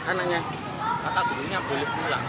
kata guru nya boleh pulang